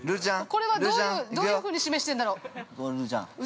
◆これは、どういうふうに示してるんだろう。